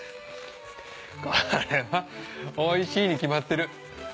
これはおいしいに決まってる。